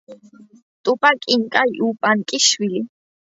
ტუპაკ ინკა იუპანკის შვილი.